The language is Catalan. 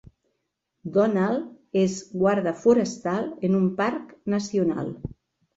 Donald és guarda forestal en un parc nacional.